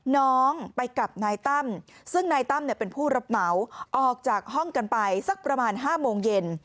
น้องไปกับนายตั้มซึ่งนายตั้มเป็นผู้รับเหมาออกจากห้องกันไปสักประมาณ๕โมงเย็น